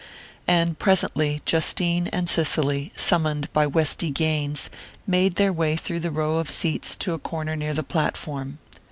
And presently Justine and Cicely, summoned by Westy Gaines, made their way through the rows of seats to a corner near the platform.